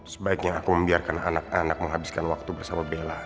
sebaiknya aku membiarkan anak anak menghabiskan waktu bersama bella